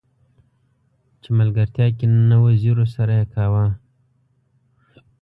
چې ملګرتيا کې نه وزيرو سره يې کاوه.